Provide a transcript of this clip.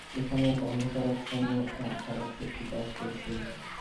এখানে এক অন্ধকারাচ্ছন্ন, আর খারাপ শক্তি কাজ করছে।